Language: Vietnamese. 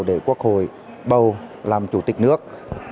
để quốc hội bầu làm chủ tịch nước